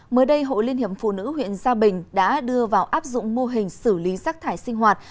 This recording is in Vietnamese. mới đây hội liên hiệp phụ nữ huyện gia bình đã đưa vào áp dụng mô hình xử lý rác thải sinh hoạt